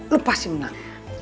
lu pasti menang